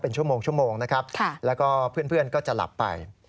เป็นชั่วโมงนะครับแล้วก็เพื่อนก็จะหลับไป